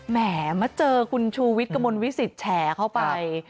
แหมมาเจอคุณชูวิทย์กระมวลวิสิตแฉเข้าไป